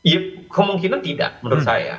ya kemungkinan tidak menurut saya